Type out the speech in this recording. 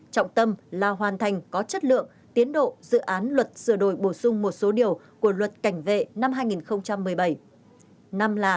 trọng tâm là hoàn thành có chất lượng tiến độ dự án luật sửa đổi bổ sung một số điều của luật cảnh vệ năm hai nghìn một mươi bảy